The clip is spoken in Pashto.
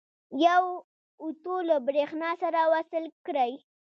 یو اوتو له برېښنا سره وصل کړئ.